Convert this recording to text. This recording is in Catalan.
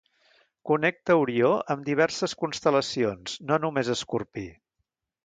Connecta Orió amb diverses constel·lacions, no només Escorpí.